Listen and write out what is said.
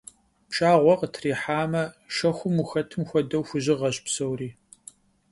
Пшагъуэ къытрихьамэ, шэхум ухэтым хуэдэу хужьыгъэщ псори.